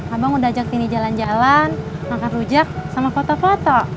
abang udah ajak ini jalan jalan makan rujak sama foto foto